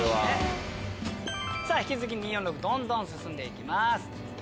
引き続き２４６どんどん進んで行きます。